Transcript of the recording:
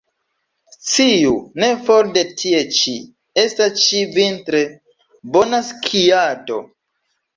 Sciu, ne fore de tie ĉi, estas ĉi-vintre bona skiado.